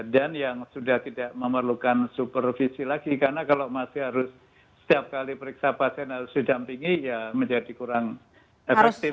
dan yang sudah tidak memerlukan supervisi lagi karena kalau masih harus setiap kali periksa pasien harus didampingi ya menjadi kurang efektif